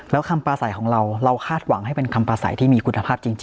แล้วคำปลาใสของเราเราคาดหวังให้เป็นคำปลาใสที่มีคุณภาพจริง